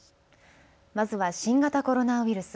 まずは新型コロナウイルス。